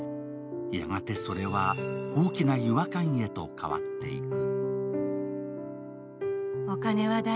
やがて、それは大きな違和感へと変わっていく。